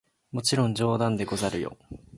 もちろん冗談でござるよ！